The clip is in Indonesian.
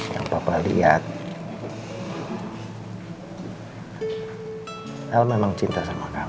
yang papa lihat al memang cinta sama kamu